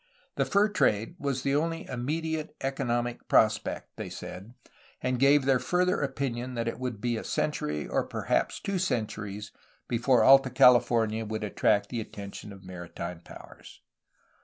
The fur trade was the only immediate economic prospect, they said, and gave their further opinion that it would be a century, or perhaps two centuries, before Alta California would attract the attention of maritime powers.